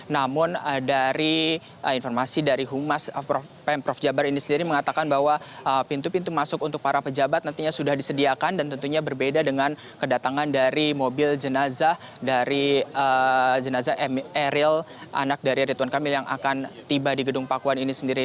namun dari informasi dari humas pemprov jabar ini sendiri mengatakan bahwa pintu pintu masuk untuk para pejabat nantinya sudah disediakan dan tentunya berbeda dengan kedatangan dari mobil jenazah dari jenazah eril anak dari ridwan kamil yang akan tiba di gedung pakuan ini sendiri